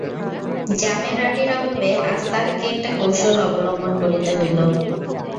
জামের আঁটির অভাবে আজ তাহাকে একটা কৌশল অবলম্বন করিতে হইল।